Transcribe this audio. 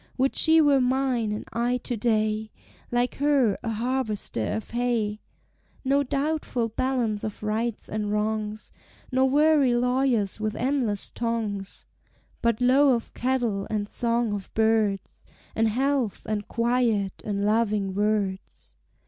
"Would she were mine, and I to day, Like her, a harvester of hay. "No doubtful balance of rights and wrongs, Nor weary lawyers with endless tongues, "But low of cattle, and song of birds, And health, and quiet, and loving words."